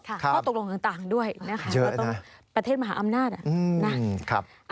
ข้อตกลงต่างด้วยประเทศมหาอำนาจน่ะ